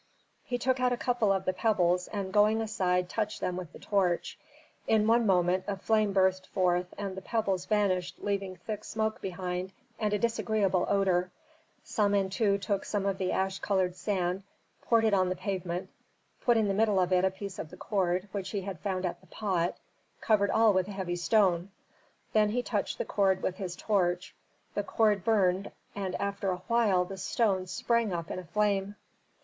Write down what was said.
He took out a couple of the pebbles and going aside touched them with the torch. In one moment a flame burst forth and the pebbles vanished leaving thick smoke behind and a disagreeable odor. Samentu took some of the ash colored sand, poured it on the pavement, put in the middle of it a piece of the cord which he had found at the pot, covered all with a heavy stone. Then he touched the cord with his torch, the cord burned and after a while the stone sprang up in a flame.